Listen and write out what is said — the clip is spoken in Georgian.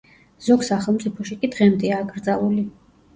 ზოგ სახელმწიფოში კი დღემდეა აკრძალული.